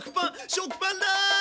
食パンだ！